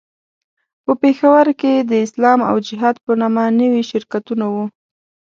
په پېښور کې د اسلام او جهاد په نامه نوي شرکتونه وو.